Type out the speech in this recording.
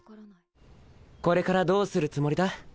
これからどうするつもりだ？